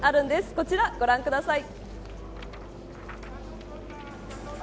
こちらご覧ください。